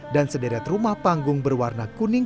dan sederet rumah panggung berwarna kuning